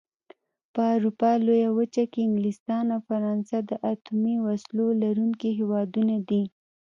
په اروپا لويه وچه کې انګلستان او فرانسه د اتومي وسلو لرونکي هېوادونه دي.